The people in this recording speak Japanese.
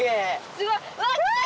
すごい！